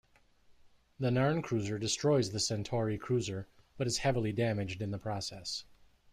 The Narn cruiser destroys the Centauri cruiser, but is heavily damaged in the process.